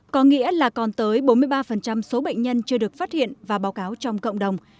có nghĩa là còn tới bốn mươi ba số bệnh nhân chưa được phát hiện và báo cáo trong cộng đồng